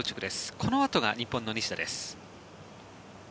このあとが日本の西田です。